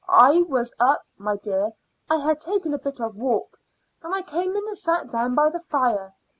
I was up, my dear; I had taken a bit of a walk, and I came in and sat down by the fire.